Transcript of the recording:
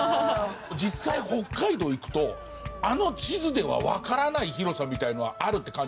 実際北海道行くとあの地図ではわからない広さみたいなのはあるって感じ。